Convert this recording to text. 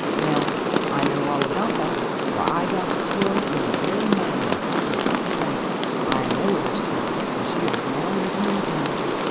Now, I know all about that, for I got the story from the very man that helped her up the bank. I know it is true, for she is now living in Canada."